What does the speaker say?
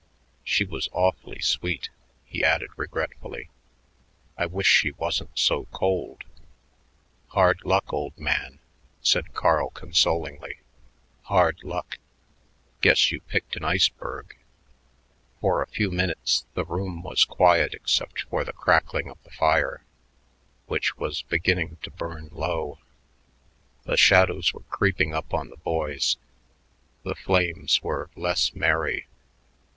She was awfully sweet," he added regretfully; "I wish she wasn't so cold." "Hard luck, old man," said Carl consolingly, "hard luck. Guess you picked an iceberg." For a few minutes the room was quiet except for the crackling of the fire, which was beginning to burn low. The shadows were creeping up on the boys; the flames were less merry.